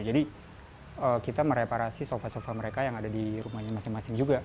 jadi kita mereparasi sofa sofa mereka yang ada di rumahnya masing masing juga